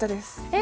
え